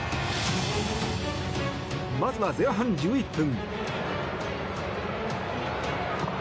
まずは前半１１分。